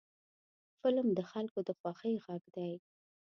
فلم د خلکو د خوښۍ غږ دی